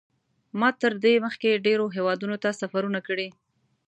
ما تر دې مخکې ډېرو هېوادونو ته سفرونه کړي.